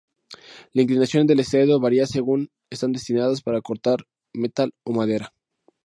La inclinación del estriado varía según están destinadas para cortar metal o madera.